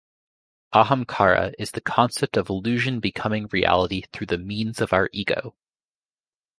Ahamkara is the concept of illusion becoming reality through the means of our ego.